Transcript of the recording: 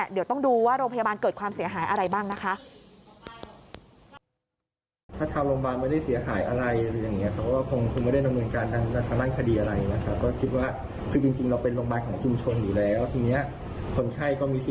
เดี๋ยวต้องดูว่าโรงพยาบาลเกิดความเสียหายอะไรบ้างนะคะ